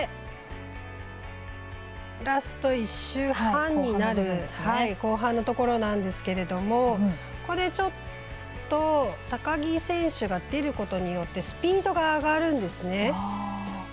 ラスト１周半後半のところなんですがここで、ちょっと高木選手が出ることによってスピードが上がるんですね。